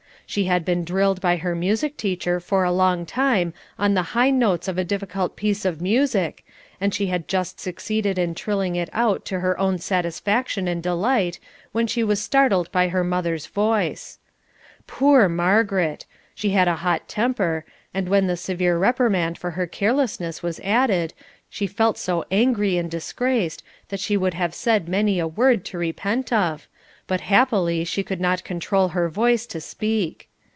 She had been drilled by her music teacher for a long time on the high notes of a difficult piece of music, and she had just succeeded in trilling it out to her own satisfaction and delight, when she was startled by her mother's voice. Poor Margaret! She had a hot temper, and when the severe reprimand for her carelessness was added, she felt so angry and disgraced that she would have said many a word to repent of, but happily she could not control her voice to speak.